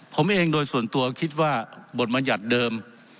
ผมเองโดยส่วนตัวคิดว่าบทบรรยัติเดิม